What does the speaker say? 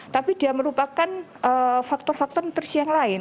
tapi dia merupakan faktor faktor nutrisi yang lain